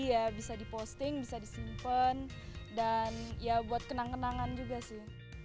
iya bisa diposting bisa disimpan dan ya buat kenang kenangan juga sih